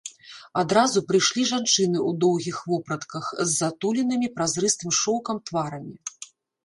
Адразу прыйшлі жанчыны ў доўгіх вопратках, з затуленымі празрыстым шоўкам тварамі.